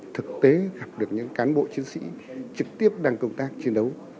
thực tế gặp được những cán bộ chiến sĩ trực tiếp đang công tác chiến đấu